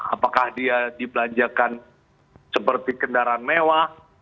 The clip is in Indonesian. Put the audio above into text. apakah dia dibelanjakan seperti kendaraan mewah